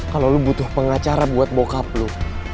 kalau lo butuh pengacara buat bokap lo